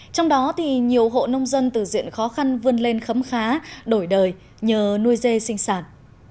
trong đó nhiều hộ nông dân từ diện khó khăn vươn lên khấm khá đổi đời nhờ nuôi dê sinh sản